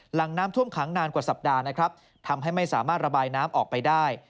หลังน้ำท่วมขังนานกว่าสัปดาห์นะครับทำให้ไม่สามารถระบายน้ำออกไปได้